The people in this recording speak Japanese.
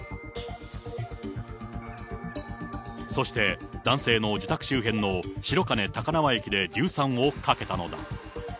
そして、男性の自宅周辺の白金高輪駅で硫酸をかけたのだ。